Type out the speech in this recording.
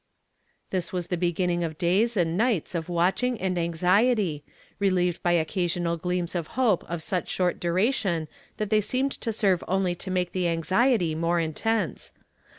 This was the beginning of days and niglits of watching and anxiety, relieved by occasional gleams of hope of such short dui ation that they seemed to serve oidy to make the anxiety more intense.